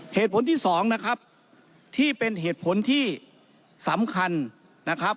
เหตุผลที่สองนะครับที่เป็นเหตุผลที่สำคัญนะครับ